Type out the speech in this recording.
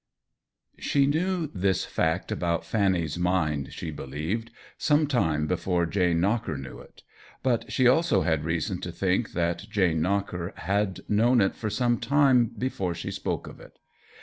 II She knew this fact about Fanny's mind, she believed, some time before Jane Knocker knew it; but she also had reason to think that Jane Knocker had known it 20 THE WHEEL OF TIME for some time before she spoke of it.